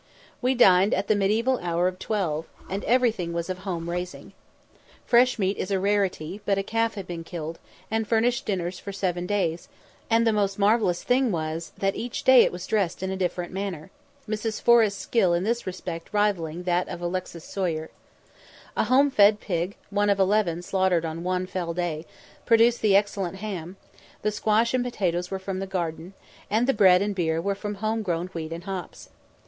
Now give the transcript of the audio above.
We dined at the mediaeval hour of twelve, and everything was of home raising. Fresh meat is a rarity; but a calf had been killed, and furnished dinners for seven days, and the most marvellous thing was, that each day it was dressed in a different manner, Mrs. Forrest's skill in this respect rivalling that of Alexis Soyer. A home fed pig, one of eleven slaughtered on one fell day, produced the excellent ham; the squash and potatoes were from the garden; and the bread and beer were from home grown wheat and hops.